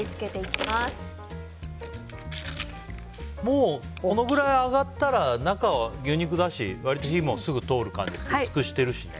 もうこのぐらい揚がったら中は牛肉だし割と火もすぐ通る感じですかね。